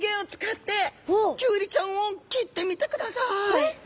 えっ！